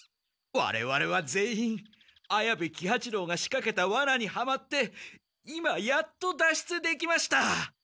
われわれは全員綾部喜八郎がしかけたワナにはまって今やっと脱出できました。